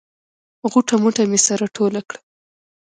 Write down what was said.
غوټه موټه مې سره ټوله کړه.